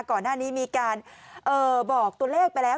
ก่อนหน้านี้มีการบอกตัวเลขไปแล้ว